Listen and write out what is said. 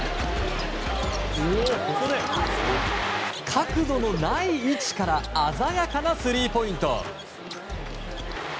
角度のない位置から鮮やかなスリーポイント。